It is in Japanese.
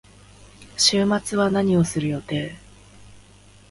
週末は何をする予定？